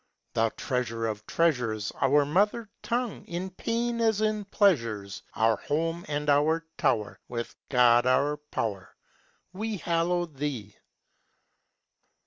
Thou treasure of treasures, Our mother tongue, In pain as in pleasures Our home and our tower, With God our power, We hallow thee!